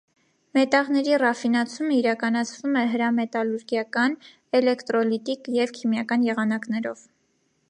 Մետաղների ռաֆինացումը իրականացվում է հրամետալուրգիական, էլեկտրոլիտիկ և քիմիական եղանակներով։